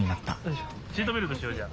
シートベルトしようじゃあ。